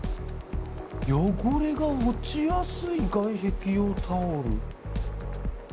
「汚れが落ちやすい外壁用タイル」。